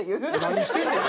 何してんねん！